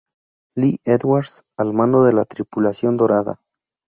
Lee Edwards al mando de la tripulación dorada.